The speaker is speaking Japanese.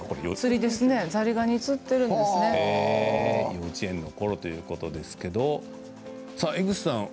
幼稚園のころということですけれども江口さん